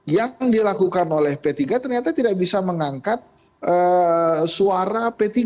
yang dilakukan oleh p tiga ternyata tidak bisa mengangkat suara p tiga